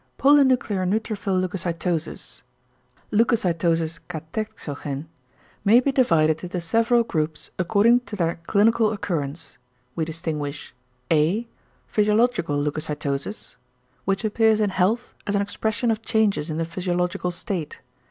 Polynuclear neutrophil leucocytosis leucocytosis [Greek: kat' exochên] may be divided into several groups =according to their clinical occurrence=. We distinguish: A. =physiological leucocytosis=, which appears in health as an expression of changes in the physiological state.